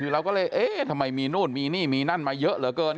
เราก็เลยเอ๊ะทำไมมีนู่นมีนี่มีนั่นมาเยอะเหลือเกิน